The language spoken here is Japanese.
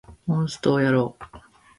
モンストをやろう